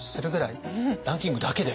ランキングだけで？